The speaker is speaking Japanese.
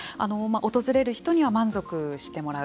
訪れる人には満足してもらう。